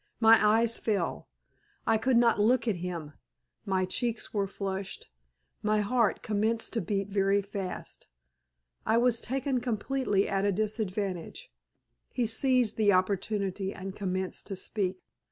My eyes fell. I could not look at him, my cheeks were flushed; my heart commenced to beat fast; I was taken completely at a disadvantage. He seized the opportunity and commenced to speak.